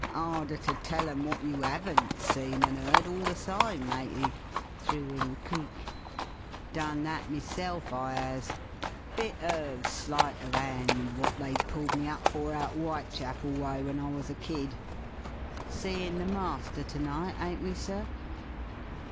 "'Arder ter tell 'em wot you 'aven't seen an' 'eard, all the syme, matey," threw in Cleek. "Done that meself, I 'as bit of sleight o' 'and what they'd pulled me up for out Whitechapel way when I was a kid. Seein' the master ternight, ain't we, sir?"